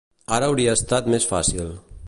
Ara hauria estat més fàcil.